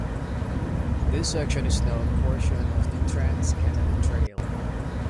This section is now a portion of the Trans Canada Trail.